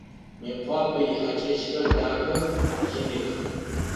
Мыекъуапэ ихьакӏэщхэр дахэх, иных.